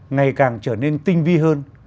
ngày càng trở nên tinh vi hơn